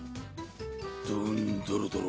どんどろどろ。